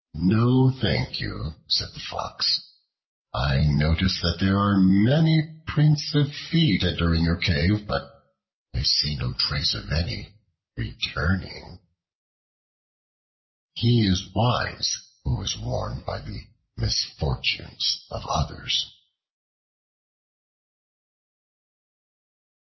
"No, thank you," said the Fox. "I notice that there are many prints of feet entering your cave, but I see no trace of any returning." He is wise who is warned by the misfortunes of others.